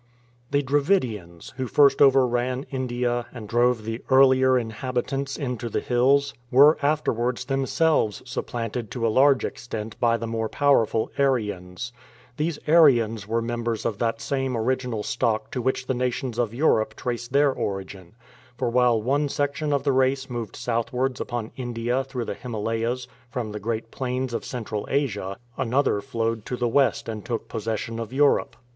The Dravidians, who first overran India and drove the earlier inhabitants into the hills, were afterwards them selves supplanted to a large extent by the more powerful Aryans. These Aryans were members of that same original stock to which the nations of Europe trace their origin, for while one section of the race moved southwards upon India through the Himalayas from the great plains of Central Asia, another flowed to the west and took possession of Europe.